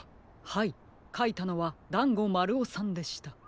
はいかいたのはだんごまるおさんでした。